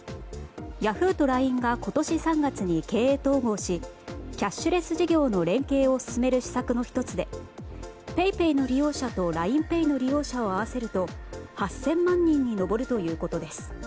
ヤフーとＬＩＮＥが今年３月に経営統合しキャッシュレス事業の連携を進める施策の１つでＰａｙＰａｙの利用者とＬＩＮＥＰａｙの利用者を合わせると８０００万人に上るということです。